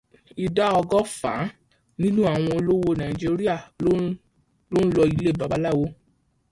Ìdá ọgọ́fa nínú àwọn olówó Nàìjíríà ló ń lọ ilé babaláwo.